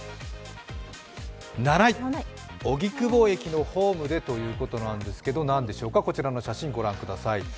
７位、荻窪駅のホームでということなんですけど何でしょうか、こちらの写真、ご覧ください。